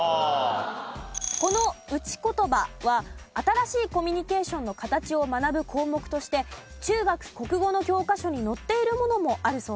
この打ち言葉は新しいコミュニケーションの形を学ぶ項目として中学国語の教科書に載っているものもあるそうです。